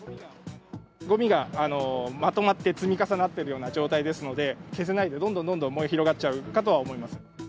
ごみがまとまって積み重なってるような状態ですので、消せないで、どんどんどんどん燃え広がっちゃうかとは思います。